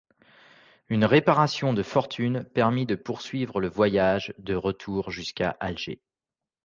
Une réparation de fortune permit de poursuivre le voyage de retour jusqu'à Alger.